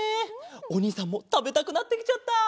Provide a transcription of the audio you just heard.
おにいさんもたべたくなってきちゃった。